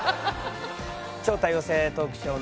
「超多様性トークショー！